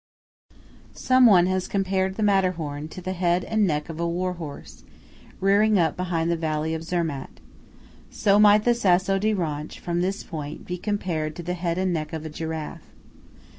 Someone has compared the Matterhorn to the head and neck of a warhorse rearing up behind the valley of Zermatt; so might the Sasso di Ronch from this point be compared to the head and neck of a giraffe.